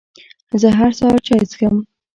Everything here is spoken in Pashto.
زه هر سهار چای څښم